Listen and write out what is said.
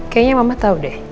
kayaknya mama tau deh